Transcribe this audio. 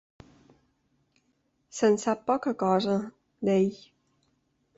Se'n sap poca cosa, d'ell.